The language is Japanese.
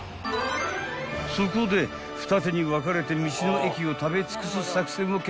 ［そこで二手に分かれて道の駅を食べ尽くす作戦を決行］